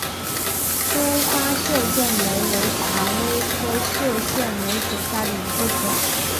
疏花绣线梅为蔷薇科绣线梅属下的一个种。